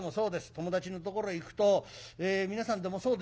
友達のところへ行くと皆さんでもそうでしょう。